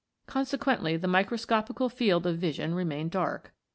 Consequently the microscopical field of vision remained dark.